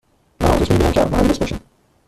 من آموزش می بینم که مهندس باشم.